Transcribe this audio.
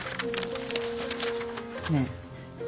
ねえ。